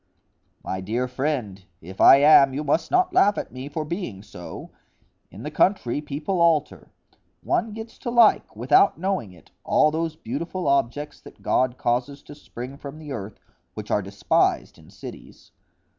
"My dear friend, if I am, you must not laugh at me for being so. In the country people alter; one gets to like, without knowing it, all those beautiful objects that God causes to spring from the earth, which are despised in cities.